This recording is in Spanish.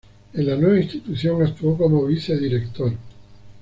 En la nueva institución actuó como vice-director.